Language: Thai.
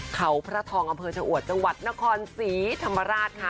เขาพระทองอำเภอชะอวดจังหวัดนครศรีธรรมราชค่ะ